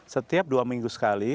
setiap dua minggu sekali